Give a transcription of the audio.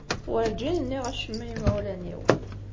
Werǧin nniɣ acemma i yimawlan-iw.